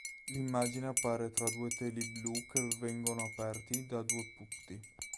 L'immagine appare tra due teli blu che vengono aperti da due putti.